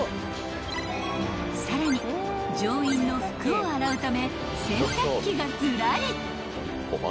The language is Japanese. ［さらに乗員の服を洗うため洗濯機がズラリ］